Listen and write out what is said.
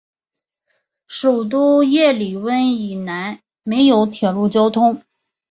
首都叶里温以南没有铁路交通。